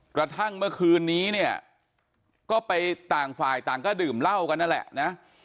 กระทั่งเมื่อคืนนี้เนี่ยก็ไปต่างฝ่ายต่างก็ดื่มเหล้ากันนั่นแหละนะ